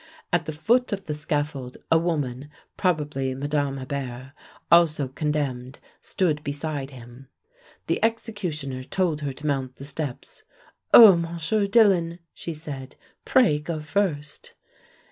_" At the foot of the scaffold a woman, probably Mme. Hébert, also condemned, stood beside him. The executioner told her to mount the steps. "Oh, Monsieur Dillon," she said, "pray go first."